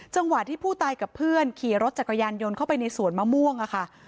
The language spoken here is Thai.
จังหวะที่ผู้ตายกับเพื่อนขี่รถจักรยานยนต์เข้าไปในสวนมะม่วงค่ะ